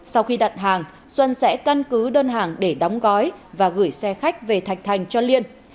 sau khi đặt hàng xuân sẽ căn cứ đơn hàng để đóng gói và gửi xe khách về thạch thành cho liên